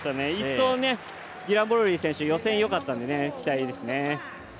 １走、ディラン・ボルリー選手、予選よかったので期待ですね。